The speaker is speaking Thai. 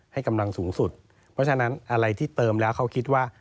ให้กำลังสูงสุดเพราะฉะนั้นอะไรที่เติมแล้วเขาคิดว่า